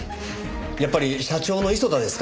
やっぱり社長の磯田ですかね？